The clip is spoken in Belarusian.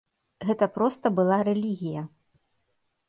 Гэта проста была рэлігія!